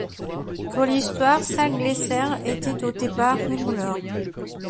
Pour l'histoire, Sal Glesser était au départ rémouleur.